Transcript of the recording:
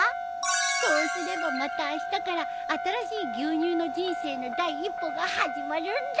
そうすればまたあしたから新しい牛乳の人生の第一歩が始まるんだ！